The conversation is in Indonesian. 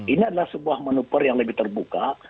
ini adalah sebuah manuver yang lebih terbuka